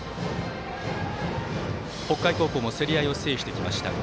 北海高校も競り合いを制していきました。